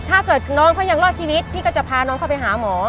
ถ้าเกิดน้องเขายังรอดชีวิตพี่ก็จะพาน้องเข้าไปหาหมอ